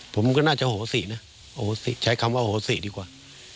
ผมก็น่าจะโหสินะโหสิใช้คำว่าโหสิดีกว่า